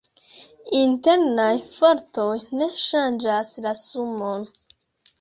Internaj fortoj ne ŝanĝas la sumon.